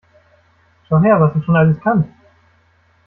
Schau her, was ich schon alles kann!